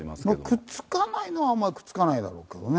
くっつかないのはあんまりくっつかないだろうけどね。